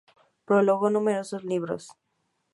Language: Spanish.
Prologó numerosos libros.